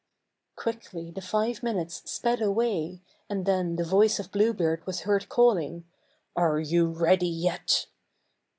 Quickly the five minutes sped away, and then the voice of Blue Beard was heard calling "Are you ready yet?"